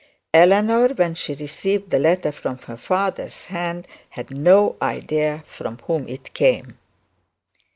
Eleanor, when she received the letter from her father's hand, had no idea from whom it came.